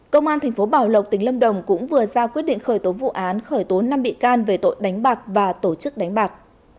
công an tp bảo lộc tỉnh lâm đồng cũng vừa ra quyết định khởi tố vụ án khởi tố năm bị can về tội đánh bạc và tổ chức đánh bạc